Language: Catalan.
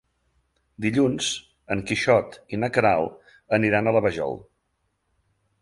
Dilluns en Quixot i na Queralt aniran a la Vajol.